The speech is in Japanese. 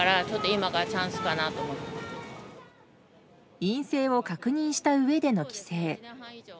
陰性を確認したうえでの帰省。